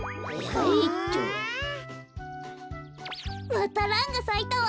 またランがさいたわ。